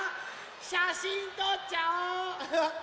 しゃしんとっちゃおう！